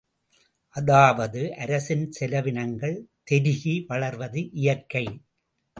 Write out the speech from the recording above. அதாவது, அரசின் செலவினங்கள் தெருகி வளர்வது இயற்கை.